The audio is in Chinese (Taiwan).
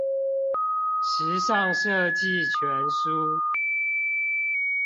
時尚設計全書